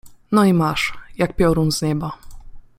No i masz — jak piorun z nieba.